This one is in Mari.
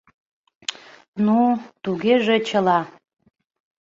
— Ну, тугеже, чыла.